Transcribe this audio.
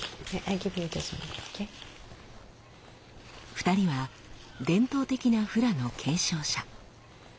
２人は伝統的なフラの継承者。